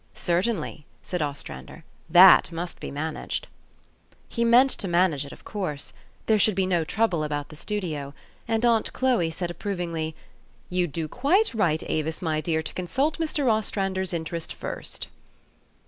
" Certainly," said Ostrander, " that must be man aged." He meant to manage it, of course. There should be no trouble about the studio. And aunt Chloe said approvingly, "You do quite right, Avis, my dear, to consult Mr. Ostrander 's interest first."